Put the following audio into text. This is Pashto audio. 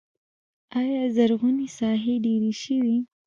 آیا زرغونې ساحې ډیرې شوي؟